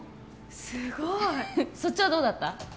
すごいそっちはどうだった？